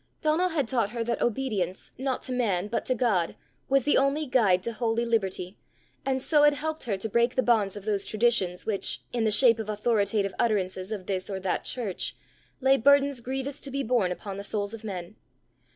Donal had taught her that obedience, not to man but to God, was the only guide to holy liberty, and so had helped her to break the bonds of those traditions which, in the shape of authoritative utterances of this or that church, lay burdens grievous to be borne upon the souls of men.